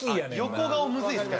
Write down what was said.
横顔むずいですか。